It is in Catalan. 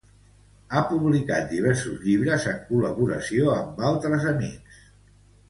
Ha publicat diversos llibres en col·laboració amb altres amics.